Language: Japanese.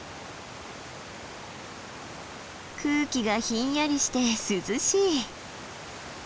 空気がひんやりして涼しい。